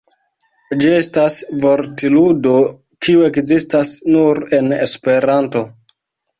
Ĝi estas vortludo kiu ekzistas nur en Esperanto.